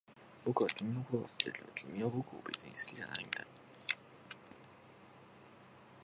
僕は君のことが好きだけど、君は僕を別に好きじゃないみたい